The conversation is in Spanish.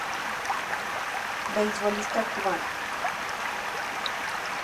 Beisbolista cubano.